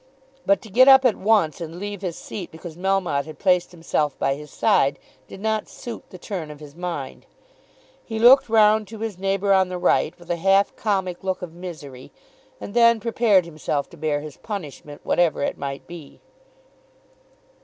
But to get up at once and leave his seat because Melmotte had placed himself by his side, did not suit the turn of his mind. He looked round to his neighbour on the right, with a half comic look of misery, and then prepared himself to bear his punishment, whatever it might be.